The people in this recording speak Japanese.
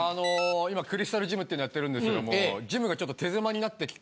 今クリスタルジムっていうのをやってるんですけどもジムがちょっと手狭になってきて。